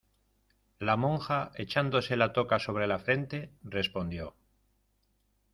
la monja, echándose la toca sobre la frente , respondió: